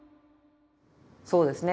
そうですね